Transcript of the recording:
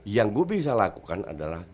yang gue bisa lakukan adalah